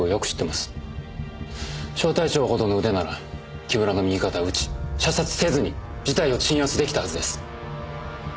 小隊長ほどの腕なら木村の右肩を撃ち射殺せずに事態を鎮圧出来たはずです。